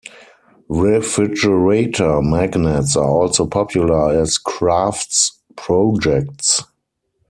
Refrigerator magnets are also popular as crafts projects.